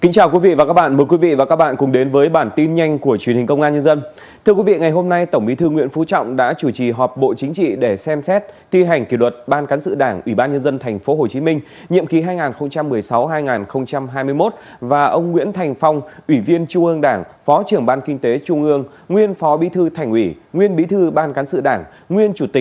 chào mừng quý vị đến với bản tin nhanh của truyền hình công an nhân dân